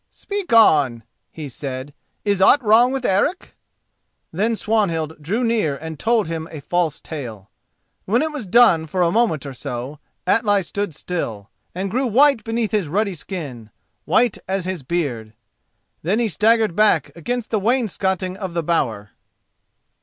"Speak on," he said. "Is aught wrong with Eric?" Then Swanhild drew near and told him a false tale. When it was done for a moment or so Atli stood still, and grew white beneath his ruddy skin, white as his beard. Then he staggered back against the wainscoting of the bower.